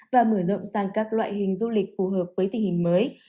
và mở rộng sang các loại hình du lịch phù hợp với tình hình mới